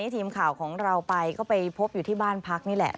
ทีมข่าวของเราไปก็ไปพบอยู่ที่บ้านพักนี่แหละ